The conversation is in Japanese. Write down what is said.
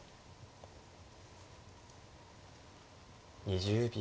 ２０秒。